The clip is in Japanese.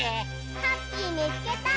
ハッピーみつけた！